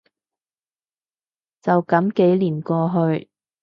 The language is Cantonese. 就噉幾年過去